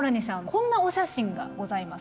こんなお写真がございます。